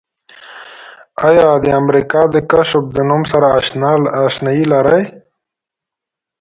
آیا د امریکا د کشف د نوم سره آشنایي لرئ؟